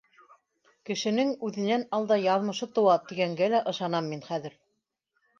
Кешенең үҙенән алда яҙмышы тыуа тигәнгә лә ышанам мин хәҙер.